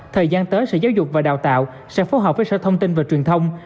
thời gian tới sở giáo dục và đào tạo sẽ phối hợp với sở thông tin và truyền thông